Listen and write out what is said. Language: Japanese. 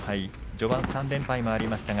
序盤は３連敗もありましたが